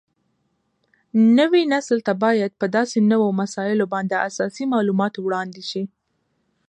نوي نسل ته باید په داسې نوو مسایلو باندې اساسي معلومات وړاندې شي